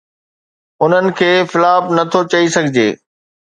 انهن کي فلاپ نٿو چئي سگهجي.